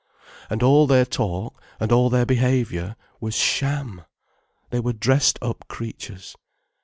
And all their talk and all their behaviour was sham, they were dressed up creatures.